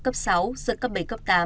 cấp sáu giữa cấp bảy cấp tám